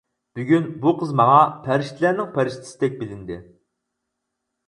بۈگۈن بۇ قىز ماڭا پەرىشتىلەرنىڭ پەرىشتىسىدەك بىلىندى.